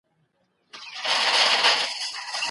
په کورنیو کې چې خبرې اترې منظمې وي، د شخړو احتمال کمېږي.